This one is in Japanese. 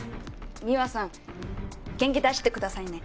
三和さん元気出してくださいね。